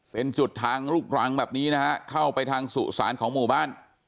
เป็นจุดทางลูกรังแบบนี้นะฮะเข้าไปทางสุสานของหมู่บ้าน